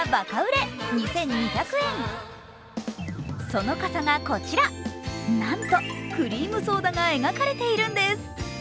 その傘が、こちら、なんとクリームソーダが描かれているんです。